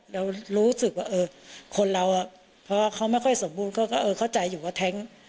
แล้วรู้สึกว่าคนเราเพราะว่าเขาไม่ค่อยสมบูรณ์ก็เข้าใจอยู่ว่าแท้ง